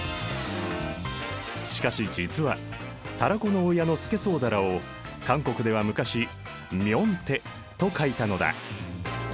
しかし実はタラコの親のスケソウダラを韓国では昔明太と書いたのだ。